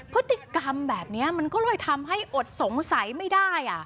พฤติกรรมแบบนี้มันก็เลยทำให้อดสงสัยไม่ได้